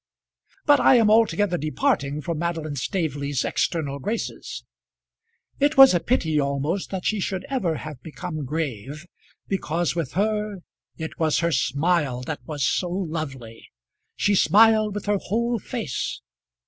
But I am altogether departing from Madeline Staveley's external graces. It was a pity almost that she should ever have become grave, because with her it was her smile that was so lovely. She smiled with her whole face.